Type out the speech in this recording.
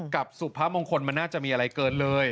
กับสุพมงคลมันน่าจะมีอะไรเกินเลย